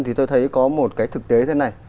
thì tôi thấy có một cái thực tế thế này